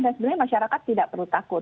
dan sebenarnya masyarakat tidak perlu takut